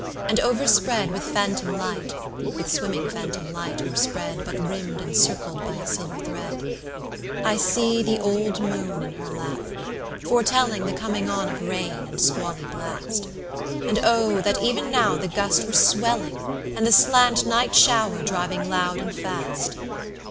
And overspread with phantom light,(With swimming phantom light o'erspreadBut rimmed and circled by a silver thread)I see the old Moon in her lap, foretellingThe coming on of rain and squally blast, And oh! that even now the gust were swelling, And the slant night shower driving loud and fast!